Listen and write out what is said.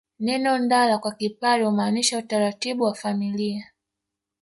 Neno ndala kwa Kipare humaanisha utaratibu wa familia